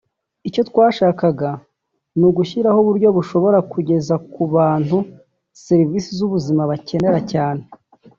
Icyo twashakaga ni ugushyiraho uburyo dushobora kugeza ku bantu serivisi z’ubuzima bakenera cyane